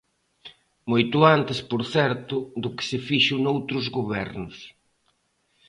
Moito antes, por certo, do que se fixo noutros gobernos.